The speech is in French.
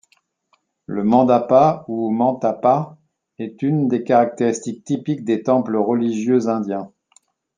Le mandapa, ou mantapa, est une des caractéristiques typiques des temples religieux Indiens.